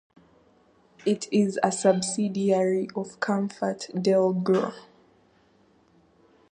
It is a subsidiary of ComfortDelGro.